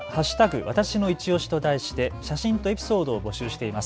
わたしのいちオシと題して写真とエピソードを募集しています。